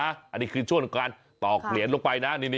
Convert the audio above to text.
อันนี้คือช่วงการตอกเหรียญลงไปนะ